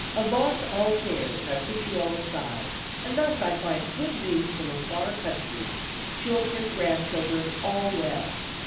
Avaunt, all cares, I put you all aside, and thus I find good news from a far country, children, grandchildren, all well.